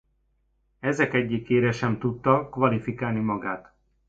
Ezek egyikére sem tudta kvalifikálni magát.